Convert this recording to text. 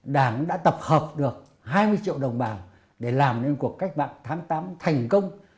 đảng đã tập hợp được hai mươi triệu đồng bào để làm nên cuộc cách mạng tháng tám thành công